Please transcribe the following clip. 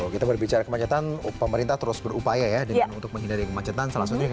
kita berbicara kemacetan pemerintah terus berupaya ya untuk menghindari kemacetan salah satunya